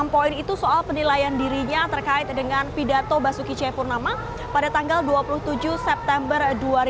enam poin itu soal penilaian dirinya terkait dengan pidato basuki cepurnama pada tanggal dua puluh tujuh september dua ribu dua puluh